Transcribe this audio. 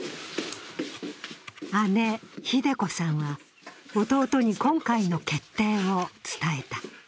姉・ひで子さんは弟に今回の決定を伝えた。